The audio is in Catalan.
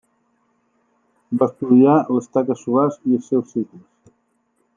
Va estudiar les taques solars i els seus cicles.